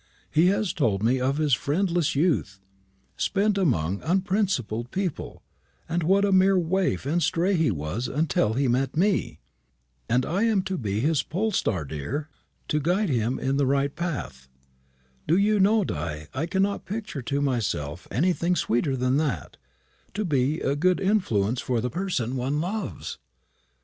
He has told me of his friendless youth, spent amongst unprincipled people, and what a mere waif and stray he was until he met me. And I am to be his pole star, dear, to guide him in the right path. Do you know, Di, I cannot picture to myself anything sweeter than that to be a good influence for the person one loves.